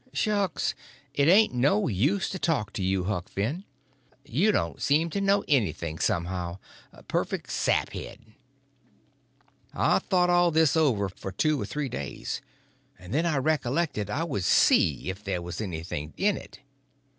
"Shucks, it ain't no use to talk to you, Huck Finn. You don't seem to know anything, somehow—perfect saphead." I thought all this over for two or three days, and then I reckoned I would see if there was anything in it.